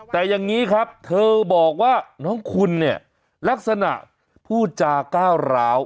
แต่อย่างนี้ครับเธอบอกว่าน้องคุณเนี่ยลักษณะพูดจาก้าวร้าว